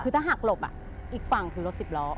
คือถ้าหักหลบอีกฝั่งคือรถสิบล้อ